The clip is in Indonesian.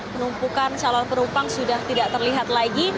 penumpukan calon penumpang sudah tidak terlihat lagi